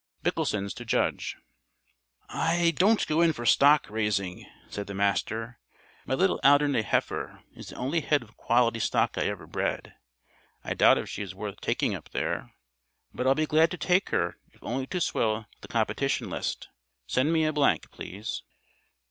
Micklesen's to judge." "I don't go in for stock raising," said the Master. "My little Alderney heifer is the only head of quality stock I ever bred. I doubt if she is worth taking up there, but I'll be glad to take her if only to swell the competition list. Send me a blank, please."